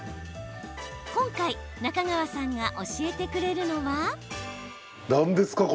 今回中川さんが教えてくれるのは。